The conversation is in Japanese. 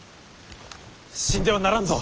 死んではならんぞ！